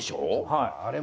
はい。